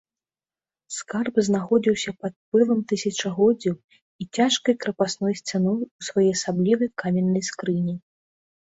Скарб знаходзіўся пад пылам тысячагоддзяў і цяжкай крапасной сцяной у своеасаблівай каменнай скрыні.